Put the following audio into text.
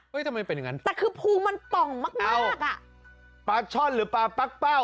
ทำไมเป็นอย่างงั้นแต่คือภูมิมันป่องมากมากอ่ะปลาช่อนหรือปลาปั๊กเป้า